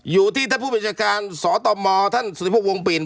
อยู่ที่ท่านผู้บัญชาการสตมท่านสุริพวงปิ่น